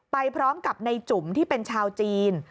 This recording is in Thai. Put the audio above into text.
ไปพร้อมกับในจุ๋มที่เป็นชาวจีน